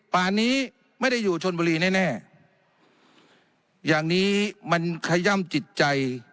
ป่านนี้ไม่ได้อยู่ชนบุรีแน่แน่อย่างนี้มันขย่ำจิตใจ